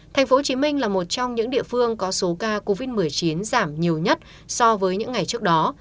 tp hcm là một trong những địa phương có số ca covid một mươi chín giảm nhiều nhất so với những ngày trước đó